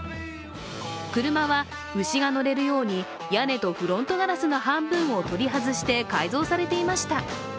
車は牛が乗れるように屋根とフロントガラスの半分を取り外して改造されていました。